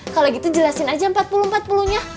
kalau gitu jelasin aja empat puluh empat puluh nya